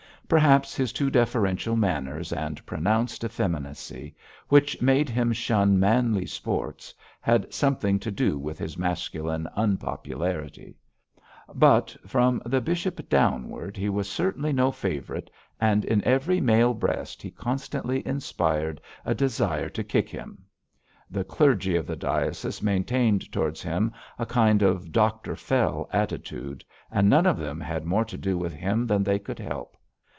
Perhaps his too deferential manners and pronounced effeminacy, which made him shun manly sports, had something to do with his masculine unpopularity; but, from the bishop downward, he was certainly no favourite, and in every male breast he constantly inspired a desire to kick him. The clergy of the diocese maintained towards him a kind of 'Dr Fell' attitude, and none of them had more to do with him than they could help.